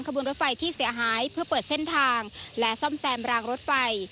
บนรถไฟที่เสียหายเพื่อเปิดเส้นทางและซ่อมแซมรางรถไฟ